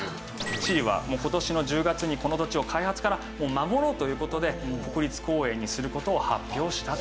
チリはもう今年の１０月にこの土地を開発から守ろうという事で国立公園にする事を発表したという。